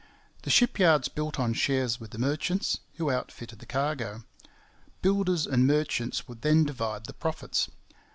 The ship yards built on shares with the merchants, who outfitted the cargo. Builders and merchants would then divide the profits.